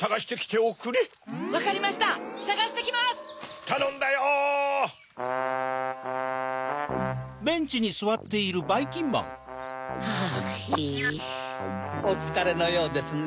おつかれのようですね。